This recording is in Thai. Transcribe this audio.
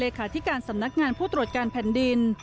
ที่การสำนักงานผู้ตรวจการแผ่นดิน